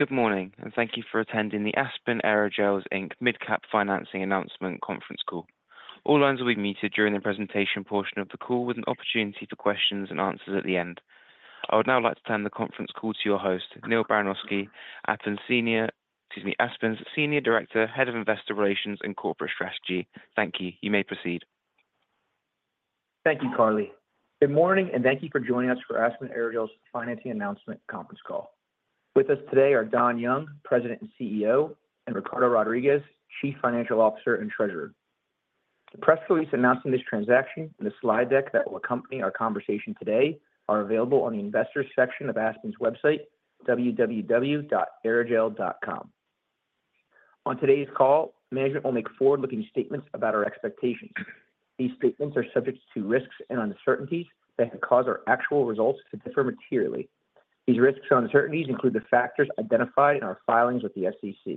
Good morning, and thank you for attending the Aspen Aerogels, Inc. MidCap Financing Announcement conference call. All lines will be muted during the presentation portion of the call, with an opportunity for questions and answers at the end. I would now like to turn the conference call to your host, Neil Baranowski, Aspen's Senior Director, Head of Investor Relations and Corporate Strategy. Thank you. You may proceed. Thank you, Carly. Good morning, and thank you for joining us for Aspen Aerogels Financing Announcement conference call. With us today are Don Young, President and CEO, and Ricardo Rodriguez, Chief Financial Officer and Treasurer. The press release announcing this transaction and the slide deck that will accompany our conversation today are available on the investors section of Aspen's website, www.aerogel.com. On today's call, management will make forward-looking statements about our expectations. These statements are subject to risks and uncertainties that could cause our actual results to differ materially. These risks and uncertainties include the factors identified in our filings with the SEC.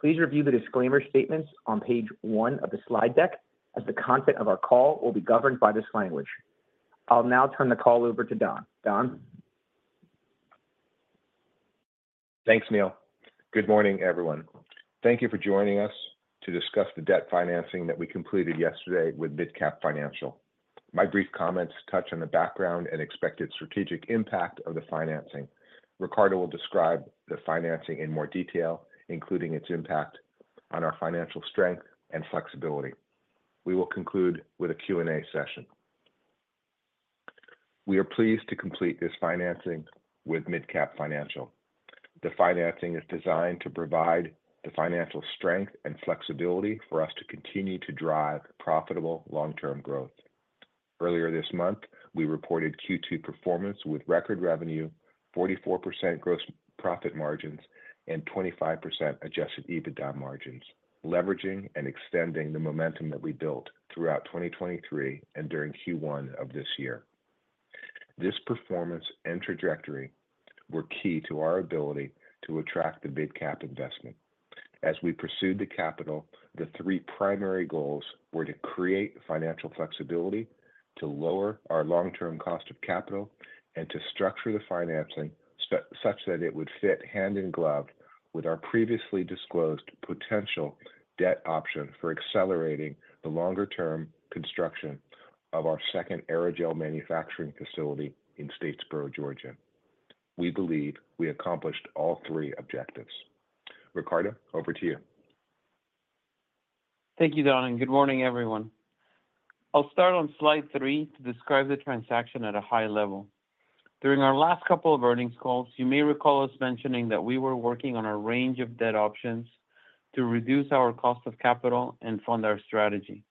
Please review the disclaimer statements on page one of the slide deck, as the content of our call will be governed by this language. I'll now turn the call over to Don. Don? Thanks, Neil. Good morning, everyone. Thank you for joining us to discuss the debt financing that we completed yesterday with MidCap Financial. My brief comments touch on the background and expected strategic impact of the financing. Ricardo will describe the financing in more detail, including its impact on our financial strength and flexibility. We will conclude with a Q&A session. We are pleased to complete this financing with MidCap Financial. The financing is designed to provide the financial strength and flexibility for us to continue to drive profitable long-term growth. Earlier this month, we reported Q2 performance with record revenue, 44% gross profit margins, and 25% Adjusted EBITDA margins, leveraging and extending the momentum that we built throughout 2023 and during Q1 of this year. This performance and trajectory were key to our ability to attract the MidCap investment. As we pursued the capital, the three primary goals were: to create financial flexibility, to lower our long-term cost of capital, and to structure the financing such that it would fit hand in glove with our previously disclosed potential debt option for accelerating the longer-term construction of our second aerogel manufacturing facility in Statesboro, Georgia. We believe we accomplished all three objectives. Ricardo, over to you. Thank you, Don, and good morning, everyone. I'll start on slide three to describe the transaction at a high level. During our last couple of earnings calls, you may recall us mentioning that we were working on a range of debt options to reduce our cost of capital and fund our strategy.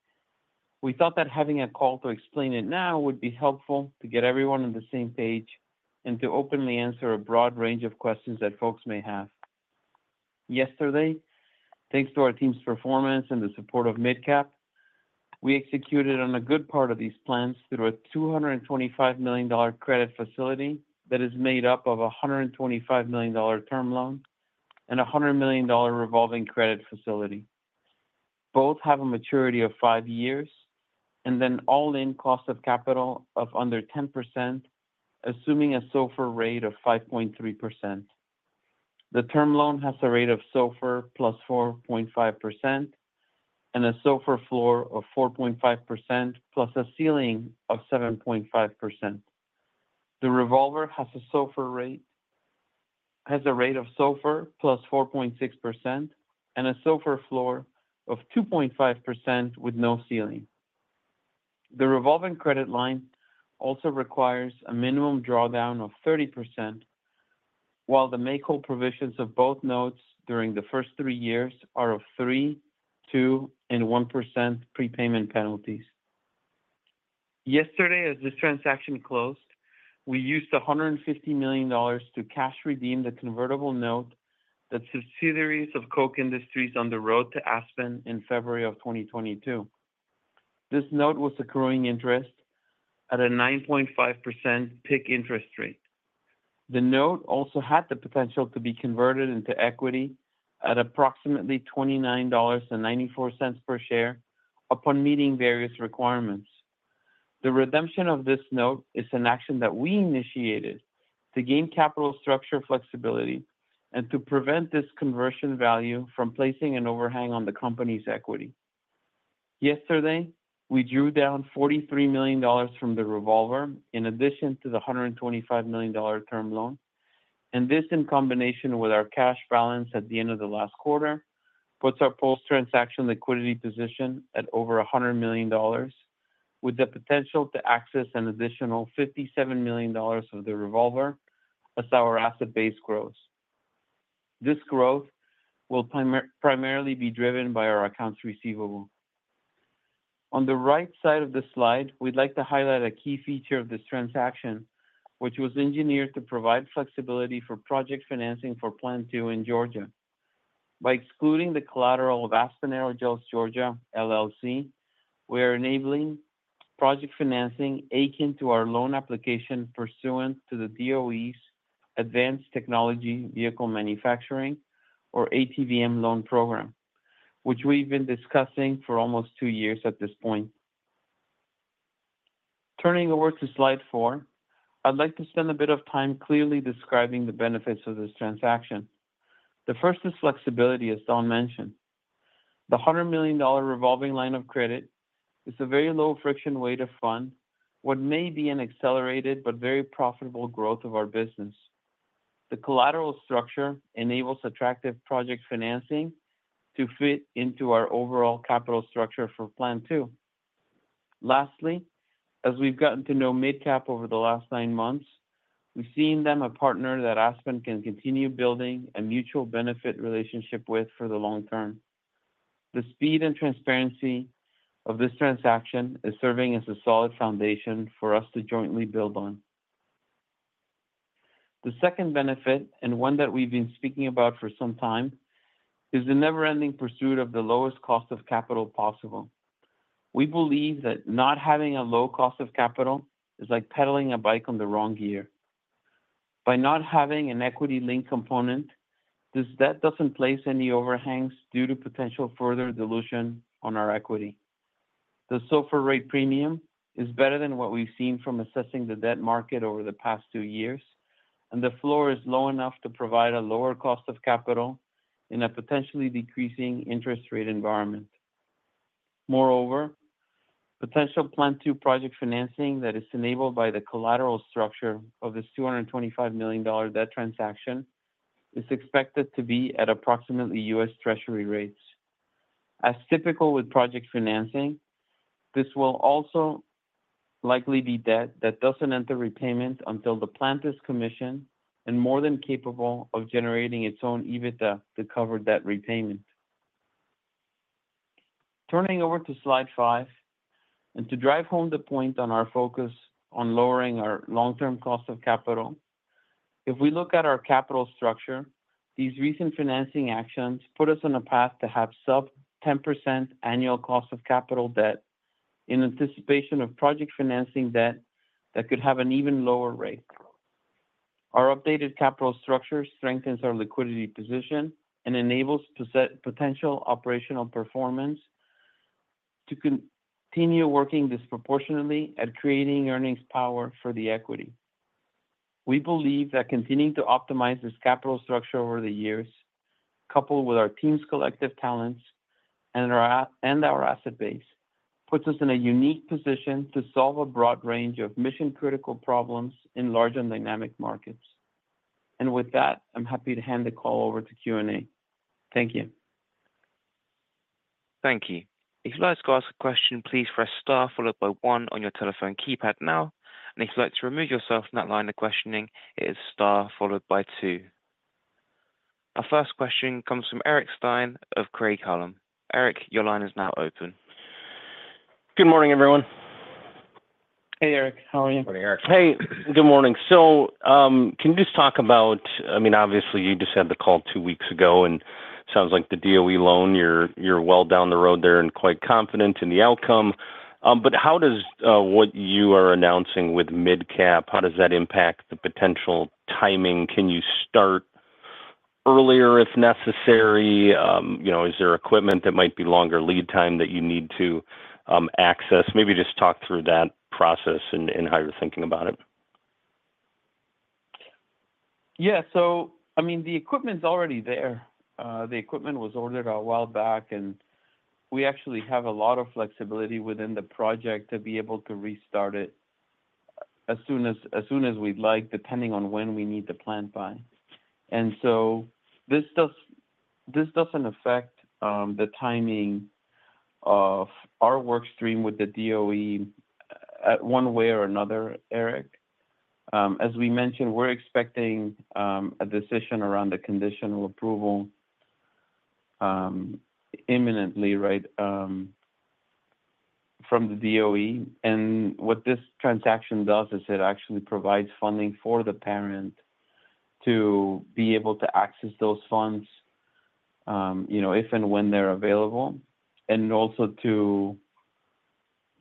We thought that having a call to explain it now would be helpful to get everyone on the same page and to openly answer a broad range of questions that folks may have. Yesterday, thanks to our team's performance and the support of MidCap, we executed on a good part of these plans through a $225 million credit facility that is made up of a $125 million term loan and a $100 million revolving credit facility. Both have a maturity of five years and then all-in cost of capital of under 10%, assuming a SOFR rate of 5.3%. The term loan has a rate of SOFR plus 4.5% and a SOFR floor of 4.5%, plus a ceiling of 7.5%. The revolver has a rate of SOFR plus 4.6% and a SOFR floor of 2.5% with no ceiling. The revolving credit line also requires a minimum drawdown of 30%, while the make-whole provisions of both notes during the first three years are of 3%, 2%, and 1% prepayment penalties. Yesterday, as this transaction closed, we used $150 million to cash redeem the convertible note that subsidiaries of Koch Industries issued to Aspen Aerogels in February 2022. This note was accruing interest at a 9.5% PIK interest rate. The note also had the potential to be converted into equity at approximately $29.94 per share upon meeting various requirements. The redemption of this note is an action that we initiated to gain capital structure flexibility and to prevent this conversion value from placing an overhang on the company's equity. Yesterday, we drew down $43 million from the revolver, in addition to the $125 million term loan, and this, in combination with our cash balance at the end of the last quarter, puts our post-transaction liquidity position at over $100 million, with the potential to access an additional $57 million of the revolver as our asset base grows. This growth will primarily be driven by our accounts receivable. On the right side of this slide, we'd like to highlight a key feature of this transaction, which was engineered to provide flexibility for project financing for Plant Two in Georgia. By excluding the collateral of Aspen Aerogels Georgia, LLC, we are enabling project financing akin to our loan application pursuant to the DOE's Advanced Technology Vehicle Manufacturing or ATVM loan program, which we've been discussing for almost two years at this point. Turning over to slide four, I'd like to spend a bit of time clearly describing the benefits of this transaction. The first is flexibility, as Don mentioned. The $100 million revolving line of credit is a very low-friction way to fund what may be an accelerated but very profitable growth of our business. The collateral structure enables attractive project financing to fit into our overall capital structure for Plant Two. Lastly, as we've gotten to know MidCap over the last nine months, we've seen them as a partner that Aspen can continue building a mutual benefit relationship with for the long term. The speed and transparency of this transaction is serving as a solid foundation for us to jointly build on. The second benefit, and one that we've been speaking about for some time, is the never-ending pursuit of the lowest cost of capital possible. We believe that not having a low cost of capital is like pedaling a bike on the wrong gear. By not having an equity link component, this debt doesn't place any overhangs due to potential further dilution on our equity. The SOFR rate premium is better than what we've seen from assessing the debt market over the past two years, and the floor is low enough to provide a lower cost of capital in a potentially decreasing interest rate environment. Moreover, potential Plant Two project financing that is enabled by the collateral structure of this $225 million debt transaction is expected to be at approximately U.S. Treasury rates. As typical with project financing, this will also likely be debt that doesn't enter repayment until the plant is commissioned and more than capable of generating its own EBITDA to cover debt repayment. Turning over to slide five, and to drive home the point on our focus on lowering our long-term cost of capital, if we look at our capital structure, these recent financing actions put us on a path to have sub-10% annual cost of capital debt in anticipation of project financing debt that could have an even lower rate. Our updated capital structure strengthens our liquidity position and enables potential operational performance to continue working disproportionately at creating earnings power for the equity. We believe that continuing to optimize this capital structure over the years, coupled with our team's collective talents and our and our asset base, puts us in a unique position to solve a broad range of mission-critical problems in large and dynamic markets. And with that, I'm happy to hand the call over to Q&A. Thank you. Thank you. If you'd like to ask a question, please press star followed by one on your telephone keypad now, and if you'd like to remove yourself from that line of questioning, it is star followed by two. Our first question comes from Eric Stine of Craig-Hallum. Eric, your line is now open. Good morning, everyone. Hey, Eric. How are you? Morning, Eric. Hey, good morning. So, can you just talk about... I mean, obviously, you just had the call two weeks ago, and sounds like the DOE loan, you're well down the road there and quite confident in the outcome. But how does what you are announcing with MidCap impact the potential timing? Can you start earlier if necessary? You know, is there equipment that might be longer lead time that you need to access? Maybe just talk through that process and how you're thinking about it. Yeah. So I mean, the equipment's already there. The equipment was ordered a while back, and we actually have a lot of flexibility within the project to be able to restart it as soon as we'd like, depending on when we need the plant by. And so this doesn't affect the timing of our work stream with the DOE one way or another, Eric. As we mentioned, we're expecting a decision around the conditional approval imminently, right, from the DOE. And what this transaction does is it actually provides funding for the parent to be able to access those funds, you know, if and when they're available, and also to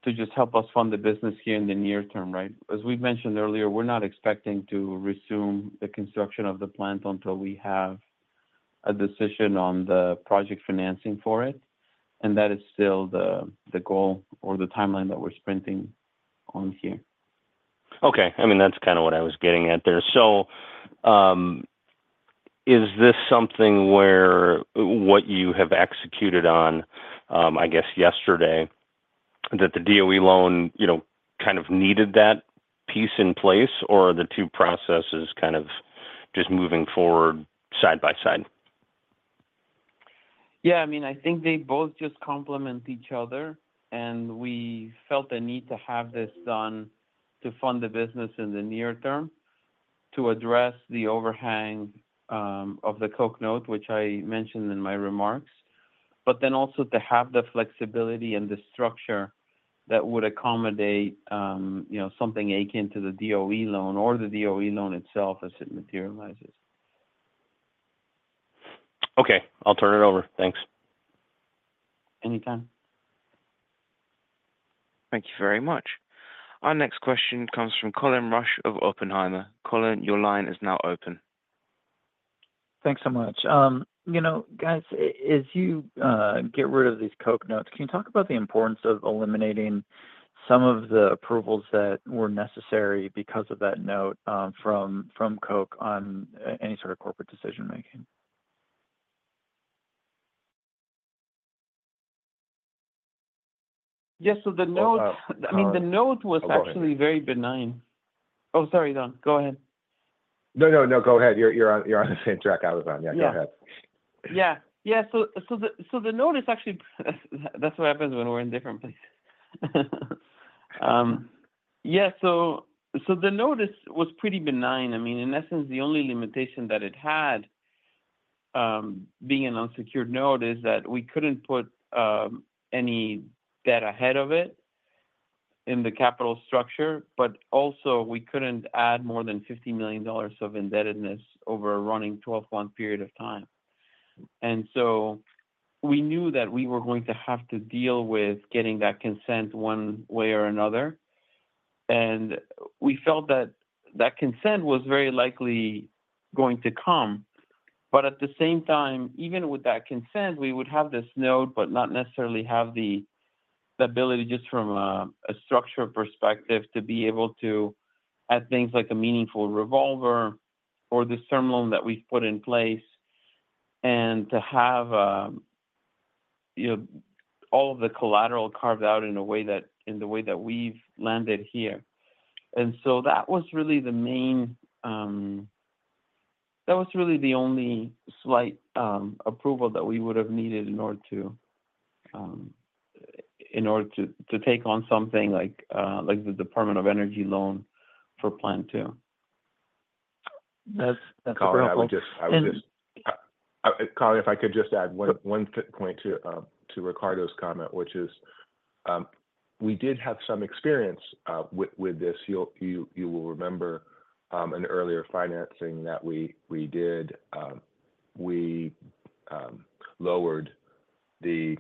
just help us fund the business here in the near term, right? As we've mentioned earlier, we're not expecting to resume the construction of the plant until we have a decision on the project financing for it, and that is still the goal or the timeline that we're sprinting on here. Okay. I mean, that's kinda what I was getting at there. So, is this something where what you have executed on, I guess yesterday, that the DOE loan, you know, kind of needed that piece in place, or are the two processes kind of just moving forward side by side? Yeah, I mean, I think they both just complement each other, and we felt the need to have this done to fund the business in the near term, to address the overhang of the Koch note, which I mentioned in my remarks. But then also to have the flexibility and the structure that would accommodate, you know, something akin to the DOE loan or the DOE loan itself as it materializes. Okay, I'll turn it over. Thanks. Anytime. Thank you very much. Our next question comes from Colin Rusch of Oppenheimer. Colin, your line is now open. Thanks so much. You know, guys, as you get rid of these Koch notes, can you talk about the importance of eliminating some of the approvals that were necessary because of that note from Koch on any sort of corporate decision making? Yes. So the note Oh, uh I mean, the note was actually very benign. Oh, sorry, Don, go ahead. No, no, no, go ahead. You're, you're on, you're on the same track I was on. Yeah, go ahead. Yeah. Yeah, so the note is actually. That's what happens when we're in different places. Yeah, so the note was pretty benign. I mean, in essence, the only limitation that it had, being an unsecured note, is that we couldn't put any debt ahead of it in the capital structure, but also we couldn't add more than $50 million of indebtedness over a running 12-month period of time. So we knew that we were going to have to deal with getting that consent one way or another, and we felt that that consent was very likely going to come. But at the same time, even with that consent, we would have this note, but not necessarily have the ability, just from a structure perspective, to be able to add things like a meaningful revolver or the term loan that we've put in place, and to have you know all of the collateral carved out in a way that, in the way that we've landed here. That was really the only slight approval that we would have needed in order to take on something like the U.S. Department of Energy loan for Plant Two. That's, that's helpful. I would just and Carly, if I could just add one quick point to Ricardo's comment, which is, we did have some experience with this. You'll remember an earlier financing that we did. We lowered the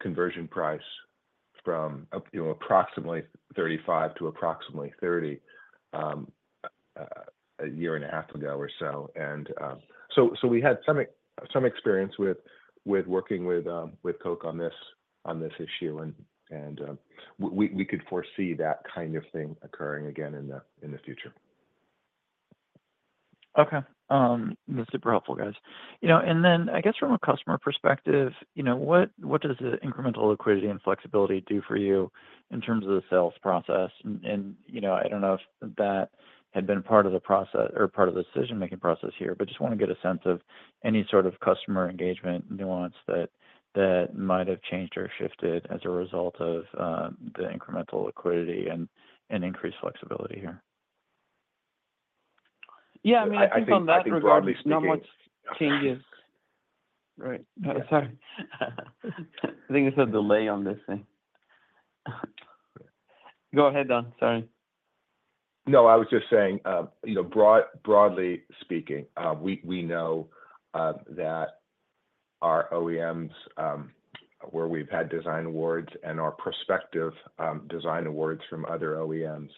conversion price from approximately $35 to approximately $30 a year and a half ago or so, and so we had some experience with working with Koch on this issue, and we could foresee that kind of thing occurring again in the future. Okay. That's super helpful, guys. You know, and then I guess from a customer perspective, you know, what does the incremental liquidity and flexibility do for you in terms of the sales process? And, you know, I don't know if that had been part of the process or part of the decision-making process here, but just wanna get a sense of any sort of customer engagement nuance that might have changed or shifted as a result of the incremental liquidity and increased flexibility here. Yeah, I mean, I think from that regard- I think broadly speaking Not much changes. Right. Sorry. I think there's a delay on this thing. Go ahead, Don. Sorry. No, I was just saying, you know, broadly speaking, we know that our OEMs where we've had design awards and our prospective design awards from other OEMs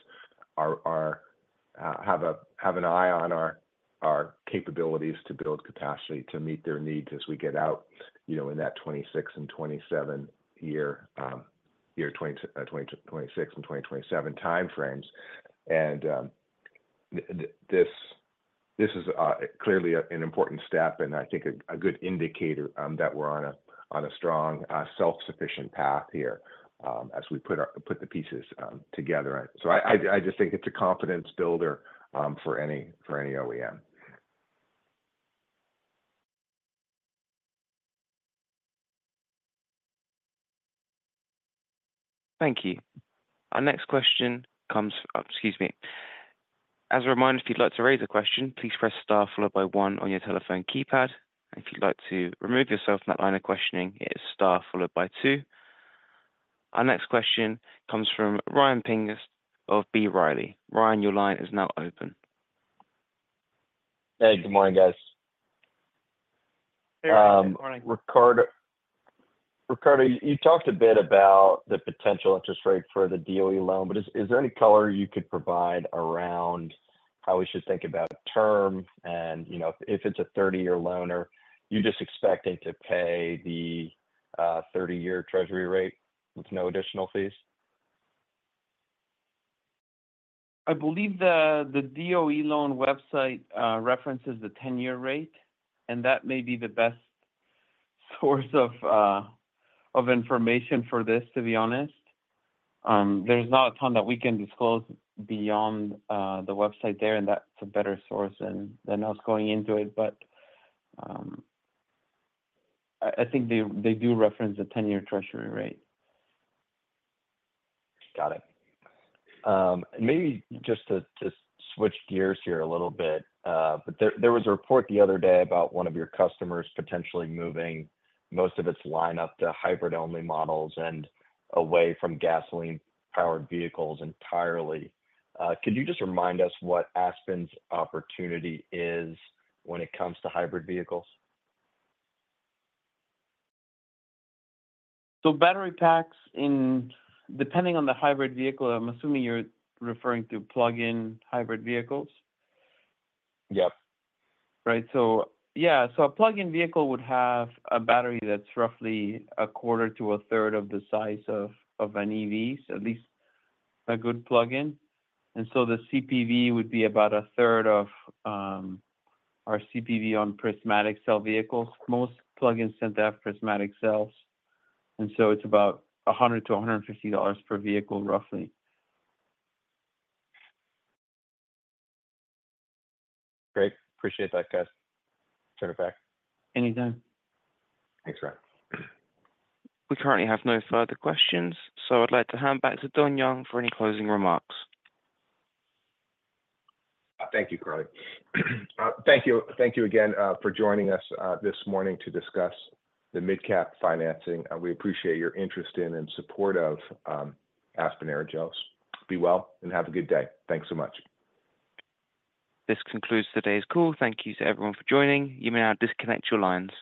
have an eye on our capabilities to build capacity to meet their needs as we get out, you know, in that 2026 and 2027 year, 2026 and 2027 time frames. This is clearly an important step, and I think a good indicator that we're on a strong self-sufficient path here as we put the pieces together. So I just think it's a confidence builder for any OEM. Thank you. Our next question comes. Excuse me. As a reminder, if you'd like to raise a question, please press Star, followed by One on your telephone keypad. If you'd like to remove yourself from that line of questioning, it is Star followed by two. Our next question comes from Ryan Pfingst of B. Riley. Ryan, your line is now open. Hey, good morning, guys. Hey, good morning. Ricardo, you talked a bit about the potential interest rate for the DOE loan, but is there any color you could provide around how we should think about term? And, you know, if it's a thirty-year loan or you're just expecting to pay the thirty-year treasury rate with no additional fees? I believe the DOE loan website references the ten-year rate, and that may be the best source of information for this, to be honest. There's not a ton that we can disclose beyond the website there, and that's a better source than us going into it. But, I think they do reference the ten-year treasury rate. Got it. And maybe just to, just switch gears here a little bit, but there was a report the other day about one of your customers potentially moving most of its lineup to hybrid-only models and away from gasoline-powered vehicles entirely. Could you just remind us what Aspen's opportunity is when it comes to hybrid vehicles? So battery packs in... Depending on the hybrid vehicle, I'm assuming you're referring to plug-in hybrid vehicles? Yep. Right. So, yeah. So a plug-in vehicle would have a battery that's roughly a quarter to a third of the size of an EV, so at least a good plug-in. And so the CPV would be about a third of our CPV on prismatic cell vehicles. Most plug-ins tend to have prismatic cells, and so it's about $100-$150 per vehicle, roughly. Great. Appreciate that, guys. Turn it back. Anytime. Thanks, Ryan. We currently have no further questions, so I'd like to hand back to Don Young for any closing remarks. Thank you, Carly. Thank you, thank you again, for joining us this morning to discuss the MidCap financing. We appreciate your interest in and support of Aspen Aerogels. Be well, and have a good day. Thanks so much. This concludes today's call. Thank you to everyone for joining. You may now disconnect your lines.